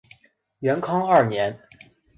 元康二年。